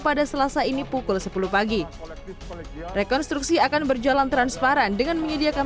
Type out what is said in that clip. pada selasa ini pukul sepuluh pagi rekonstruksi akan berjalan transparan dengan menyediakan